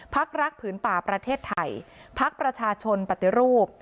พักรักผืนป่าประเทศไทยพักประชาชนปฏิรูป